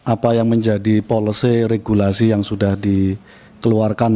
apa yang menjadi policy regulasi yang sudah dikeluarkan